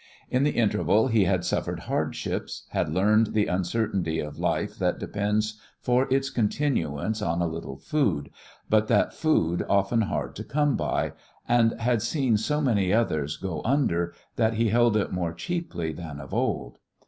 In the interval he had suffered hardships, had learned the uncertainty of life that depends for its continuance on a little food, but that food often hard to come by, and had seen so many others go under that he held it more cheaply than of old.